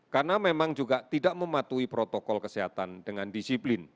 karena memang juga tidak mematuhi protokol kesehatan dengan disiplin